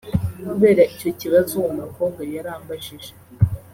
Kubera icyo kibazo uwo mukobwa yari ambajije